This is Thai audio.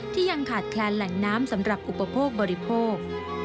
ยังขาดแคลนแหล่งน้ำสำหรับอุปโภคบริโภค